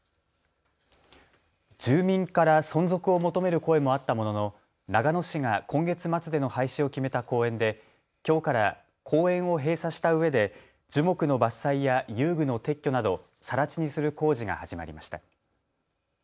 住民から存続を求める声もあったものの長野市が今月末での廃止を決めた公園できょうから公園を閉鎖したうえで樹木の伐採や遊具の撤去などさら地にする工事が始まりました。